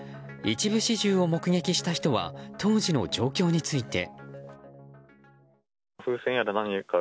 一部始終を目撃した人は当時の状況について。